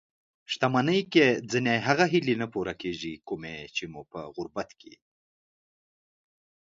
شتمني کې ځينې هغه هیلې نه پوره کېږي؛ کومې چې مو په غربت کې